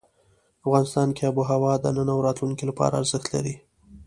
افغانستان کې آب وهوا د نن او راتلونکي لپاره ارزښت لري.